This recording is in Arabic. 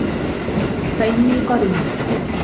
فَإِنِّي قَرِيبٌ